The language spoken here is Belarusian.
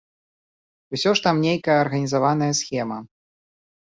Усё ж там нейкая арганізаваная схема.